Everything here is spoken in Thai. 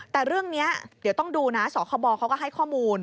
แต่เรื่องนี้เดี๋ยวต้องดูนะสคบเขาก็ให้ข้อมูล